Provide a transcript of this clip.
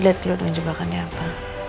lihat dulu dengan jebakannya apa